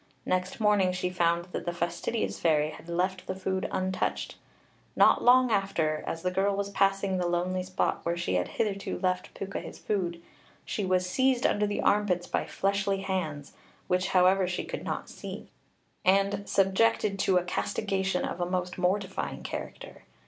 Next morning she found that the fastidious fairy had left the food untouched. Not long after, as the girl was passing the lonely spot, where she had hitherto left Pwca his food, she was seized under the arm pits by fleshly hands (which, however, she could not see), and subjected to a castigation of a most mortifying character.